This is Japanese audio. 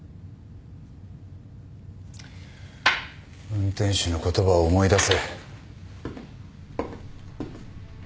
運転手の言葉を思い出せ。